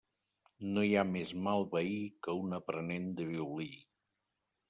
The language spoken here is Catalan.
No hi ha més mal veí que un aprenent de violí.